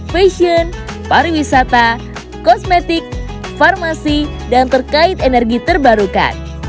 fashion pariwisata kosmetik farmasi dan terkait energi terbarukan